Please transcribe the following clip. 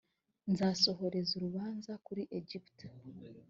nzasohoreza urubanza kuri egiputa